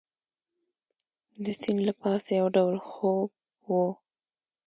د سیند له پاسه یو ډول خوپ وو.